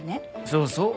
そうそう。